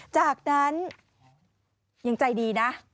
จากนั้นยังใจดีนะ